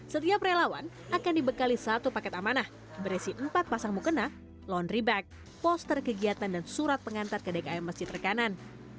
setiap relawan akan dibekali satu paket amanah berisi empat pasang mukena laundry back poster kegiatan dan surat pengantar ke dkm masjid rekanan